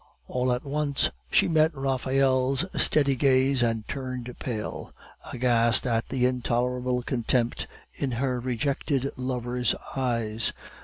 All at once she met Raphael's steady gaze and turned pale, aghast at the intolerable contempt in her rejected lover's eyes.